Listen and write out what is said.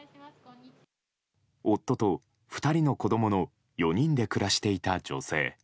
夫と２人の子供の４人で暮らしていた女性。